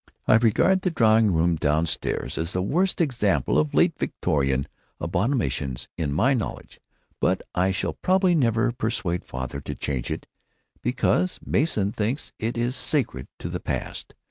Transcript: I regard the drawing room down stairs as the worst example of late Victorian abominations in my knowledge, but I shall probably never persuade father to change it because Mason thinks it is sacred to the past.